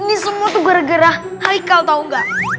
ini semua tuh gara gara haikal tau gak